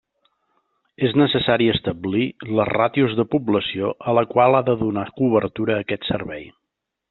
És necessari establir les ràtios de població a la qual ha de donar cobertura aquest servei.